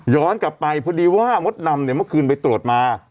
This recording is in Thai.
กลับไปพอดีว่ามดดำเนี่ยเมื่อคืนไปตรวจมา